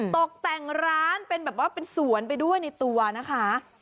ตกแต่งร้านเป็นแบบว่าเป็นสวนไปด้วยในตัวนะคะ